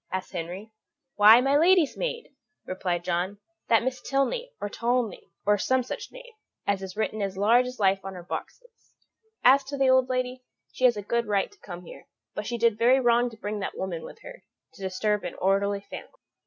asked Henry. "Why, my lady's maid," replied John; "that Miss Tilney or Tolney, or some such name, as is written as large as life on her boxes. As to the old lady, she has a good right to come here, but she did very wrong to bring that woman with her, to disturb an orderly family.